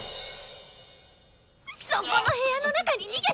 そこの部屋の中に逃げたの！